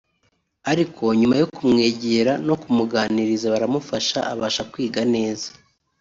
ariko nyuma yo kumwegera no kumuganiriza baramufasha abasha kwiga neza